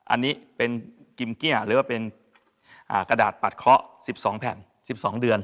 อันนี้เป็นกิมเกี้ยหรือว่าเป็นกระดาษปัดเคาะ๑๒แผ่น๑๒เดือน